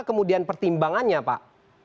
kemudian pertimbangannya pak